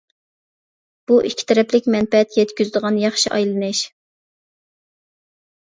بۇ ئىككى تەرەپلىك مەنپەئەت يەتكۈزىدىغان ياخشى ئايلىنىش.